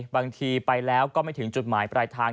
บางทีไปแล้วก็ไม่ถึงจุดหมายปลายทาง